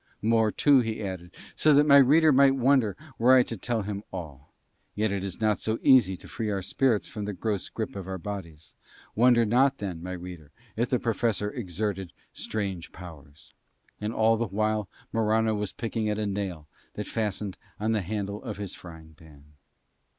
More too he added, so that my reader might wonder were I to tell him all; yet it is not so easy to free our spirits from the gross grip of our bodies. Wonder not then, my reader, if the Professor exerted strange powers. And all the while Morano was picking at a nail that fastened on the handle to his frying pan.